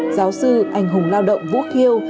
giáo sư anh hùng lao động vũ khiêu